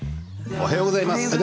おはようございます。